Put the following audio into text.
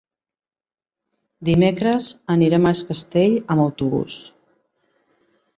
Dimecres anirem a Es Castell amb autobús.